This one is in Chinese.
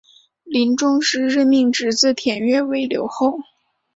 临终时命侄子田悦为留后。